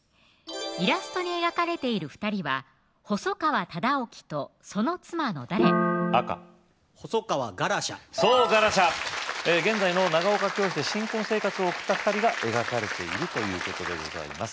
イラストに描かれている２人は細川忠興とその妻の誰赤細川ガラシャそうガラシャ現在の長岡京市で新婚生活を送った２人が描かれているということでございます